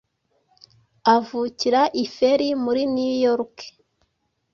avukira i Ferry muri New York